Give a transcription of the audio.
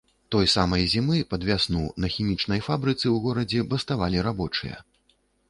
Той самай зімы, пад вясну, на хімічнай фабрыцы, у горадзе, баставалі рабочыя.